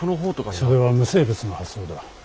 それは無生物の発想だ。